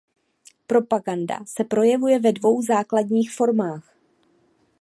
Propaganda se projevuje ve dvou základních formách.